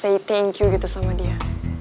say thank you gitu sama dia